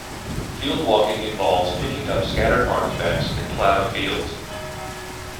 Fieldwalking involves picking up scattered artefacts in ploughed fields.